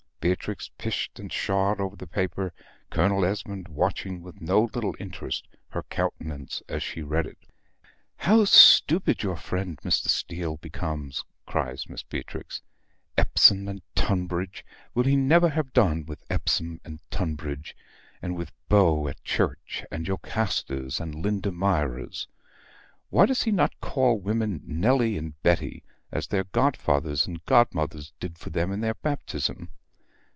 Beatrix pished and psha'd over the paper; Colonel Esmond watching with no little interest her countenance as she read it. "How stupid your friend Mr. Steele becomes!" cries Miss Beatrix. "Epsom and Tunbridge! Will he never have done with Epsom and Tunbridge, and with beaux at church, and Jocastas and Lindamiras? Why does he not call women Nelly and Betty, as their godfathers and godmothers did for them in their baptism?"